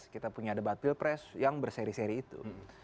kita punya debat pilpres yang berseri seri itu